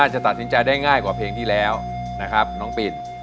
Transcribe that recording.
จะตัดสินใจได้ง่ายกว่าเพลงที่แล้วนะครับน้องปิน